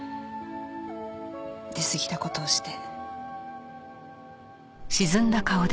出すぎた事をして。